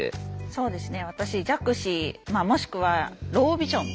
そうですね